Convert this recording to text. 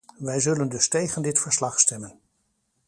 Wij zullen dus tegen dit verslag stemmen.